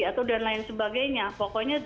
atau dan lain sebagainya pokoknya